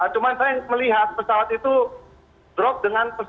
cuma saya melihat pesawat itu turun dengan kecepatan